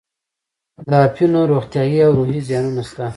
د اپینو روغتیایي او روحي زیانونه شته.